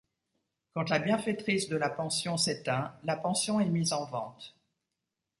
Quand la bienfaitrice de la pension s'éteint, la pension est mise en vente.